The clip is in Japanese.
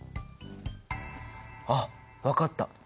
あっ分かった！